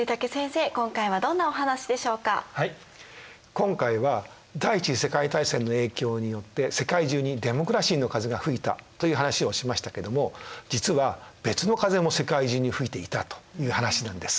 今回は第一次世界大戦の影響によって世界中にデモクラシーの風が吹いたという話をしましたけども実は別のかぜも世界中に吹いていたという話なんです。